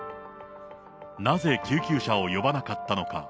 なぜ救急車を呼ばなかったのか。